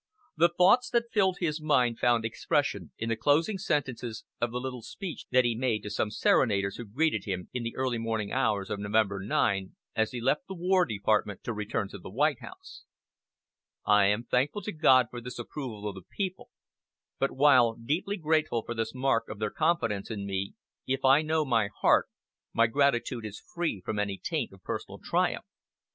The thoughts that filled his mind found expression in the closing sentences of the little speech that he made to some serenaders who greeted him in the early morning hours of November 9, as he left the War Department to return to the White House: "I am thankful to God for this approval of the people; but while deeply grateful for this mark of their confidence in me, if I know my heart, my gratitude is free from any taint of personal triumph....